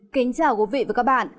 kính chào quý vị và các bạn